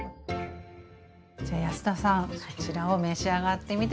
じゃあ安田さんそちらを召し上がってみて下さい。